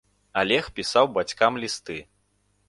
Алег пісаў бацькам лісты.